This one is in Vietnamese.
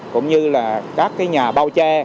cũng như là các cái nhà bao che